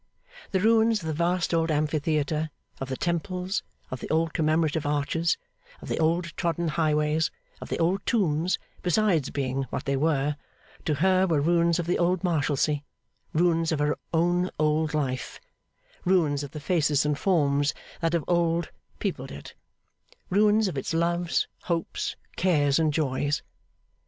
The ruins of the vast old Amphitheatre, of the old Temples, of the old commemorative Arches, of the old trodden highways, of the old tombs, besides being what they were, to her were ruins of the old Marshalsea ruins of her own old life ruins of the faces and forms that of old peopled it ruins of its loves, hopes, cares, and joys.